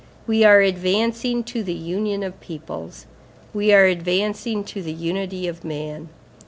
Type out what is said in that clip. We are advancing to the union of peoples; we are advancing to the unity of man.